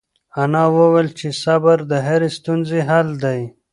انا وویل چې صبر د هرې ستونزې حل دی.